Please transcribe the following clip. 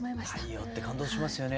太陽って感動しますよね。